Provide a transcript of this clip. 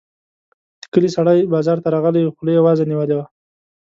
د کلي سړی بازار ته راغلی وو؛ خوله يې وازه نيولې وه.